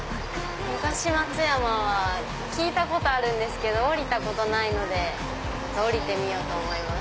東松山は聞いたことあるんですけど降りたことないので降りてみようと思います。